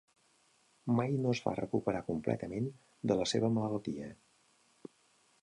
Mai no es va recuperar completament de la seva malaltia.